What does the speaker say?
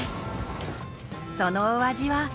そのお味は？